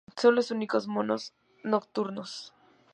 Son los únicos monos nocturnos.